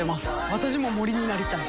私も森になりたい。